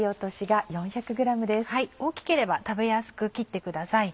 大きければ食べやすく切ってください。